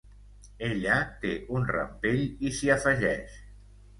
Ella té un rampell i s'hi afegeix.